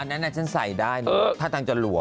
อันนั้นนางฉันใส่ได้ถ้าต้องจะหลวม